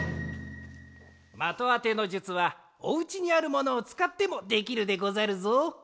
まとあてのじゅつはおうちにあるものをつかってもできるでござるぞ。